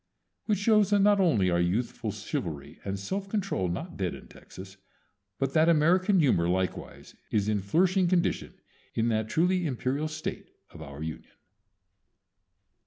Which shows that not only are youthful chivalry and self control not dead in Texas, but that American humor likewise is in flourishing condition in that truly imperial State of our Union.